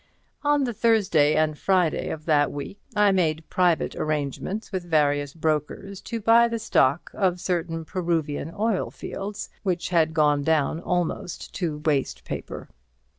On the Thursday and Friday of that week I made private arrangements with various brokers to buy the stock of certain Peruvian oil fields, which had gone down almost to waste paper.